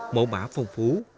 mẫu mã phong phú